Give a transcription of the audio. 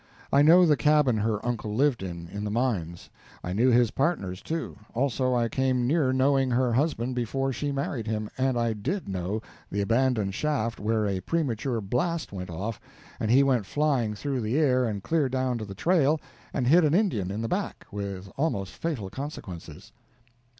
I know the cabin her uncle lived in, in the mines; I knew his partners, too; also I came near knowing her husband before she married him, and I _did _know the abandoned shaft where a premature blast went off and he went flying through the air and clear down to the trail and hit an Indian in the back with almost fatal consequences.